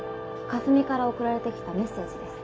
かすみから送られてきたメッセージです。